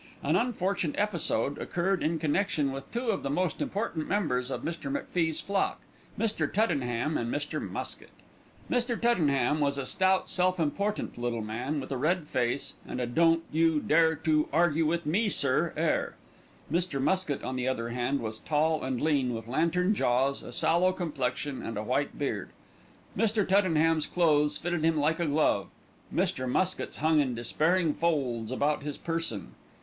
An unfortunate episode occurred in connection with two of the most important members of Mr. MacFie's flock, Mr. Tuddenham and Mr. Muskett. Mr. Tuddenham was a stout, self important little man with a red face and a "don't you dare to argue with me sir" air. Mr. Muskett, on the other hand, was tall and lean with lantern jaws, a sallow complexion and a white beard. Mr. Tuddenham's clothes fitted him like a glove; Mr. Muskett's hung in despairing folds about his person.